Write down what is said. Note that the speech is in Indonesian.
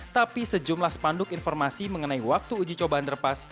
tapi sejumlah spanduk informasi mengenai waktu uji coba underpass